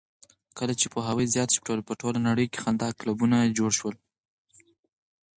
کله چې پوهاوی زیات شو، په ټوله نړۍ کې خندا کلبونه جوړ شول.